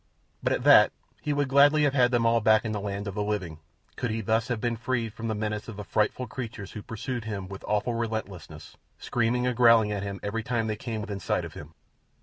But at that he would gladly have had them all back in the land of the living could he thus have been freed from the menace of the frightful creatures who pursued him with awful relentlessness, screaming and growling at him every time they came within sight of him.